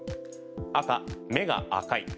赤、目が赤い。